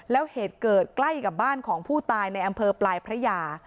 แล้วเหตุเกิดใกล้กับบ้านของผู้ตายในอำเภอปลายพระยา